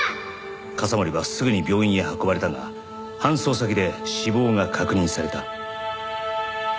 笠森はすぐに病院へ運ばれたが搬送先で死亡が確認された。